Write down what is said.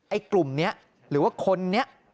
ไอ้กลุ่มนี้หรือว่าคนนี้